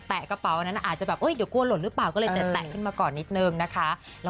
แปลงผมไม่ไหวด้านล่างไง